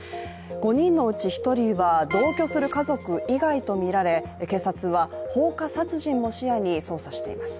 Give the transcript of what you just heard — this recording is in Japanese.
５人のうち１人は同居する家族以外とみられ、警察は放火殺人も視野に捜査しています。